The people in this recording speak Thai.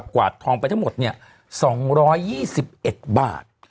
กวาดทองไปทั้งหมด๒๒๑บาท